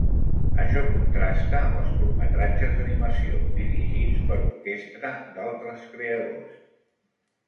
Això contrasta amb els curtmetratges d'animació dirigits per orquestra d'altres creadors.